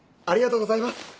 ありがとうございます。